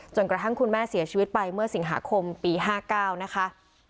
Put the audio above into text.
กระทั่งคุณแม่เสียชีวิตไปเมื่อสิงหาคมปี๕๙นะคะ